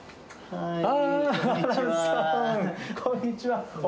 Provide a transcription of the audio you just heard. こんにちは。